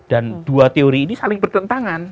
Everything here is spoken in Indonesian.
dan dua teori ini saling bertentangan